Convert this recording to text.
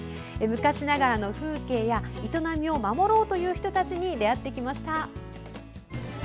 昔ながらの風景や営みを守ろうという人たちに出会ってきました。